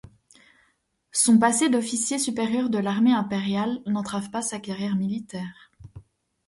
Son passé d'officier supérieur de l'armée impériale n'entrave pas sa carrière militaire.